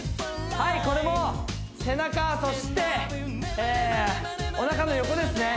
はいこれも背中そしておなかの横ですね